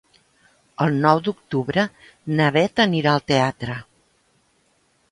El nou d'octubre na Beth anirà al teatre.